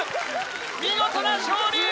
見事な勝利！